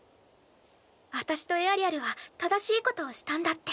私とエアリアルは正しいことをしたんだって。